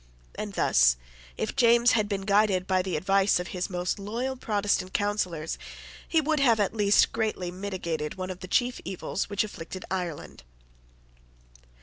And thus, if James had been guided by the advice of his most loyal Protestant counsellors, he would have at least greatly mitigated one of the chief evils which afflicted Ireland.